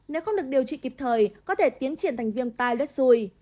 nếu không được điều trị kịp thời có thể tiến triển thành viêm tai lết xùi